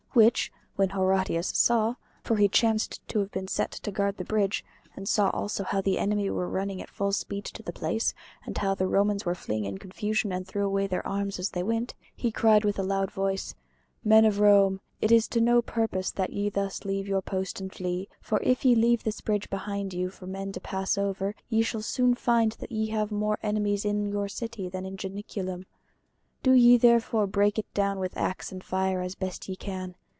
Which when Horatius saw (for he chanced to have been set to guard the bridge, and saw also how the enemy were running at full speed to the place, and how the Romans were fleeing in confusion and threw away their arms as they ran), he cried with a loud voice, "Men of Rome, it is to no purpose that ye thus leave your post and flee, for if ye leave this bridge behind you for men to pass over, ye shall soon find that ye have more enemies in your city than in Janiculum. Do ye therefore break it down with axe and fire as best ye can.